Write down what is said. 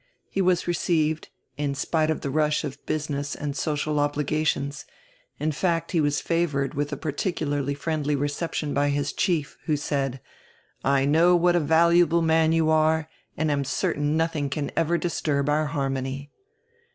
He was received, in spite of die rush of business and social obligations, in fact he was favored widi a particularly friendly reception hy his chief, who said: "I know what a valuable man you are and am certain nodiing can ever disturb our harmony."